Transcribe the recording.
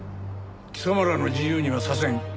貴様らの自由にはさせん。